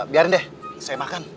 biarin deh saya makan